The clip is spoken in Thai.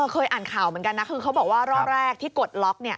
เคยอ่านข่าวเหมือนกันนะคือเขาบอกว่ารอบแรกที่กดล็อก